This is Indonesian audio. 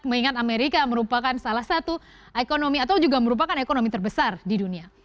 mengingat amerika merupakan salah satu ekonomi atau juga merupakan ekonomi terbesar di dunia